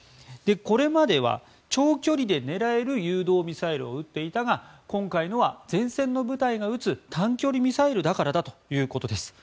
これまでは長距離で狙える誘導ミサイルを打っていたが今回のは前線の部隊が撃つ短距離ミサイルだからだということです。